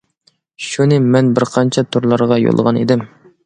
شۇنى مەن بىر قانچە تورلارغا يوللىغان ئىدىم.